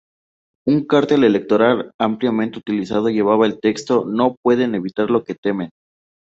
Un cartel electoral ampliamente utilizado llevaba el texto: "No pueden evitar lo que temen".